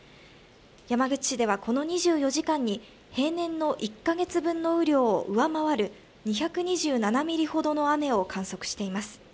山口ではこの２４時間に平年の１か月分の雨量を上回る２２７ミリほどの雨を観測しています。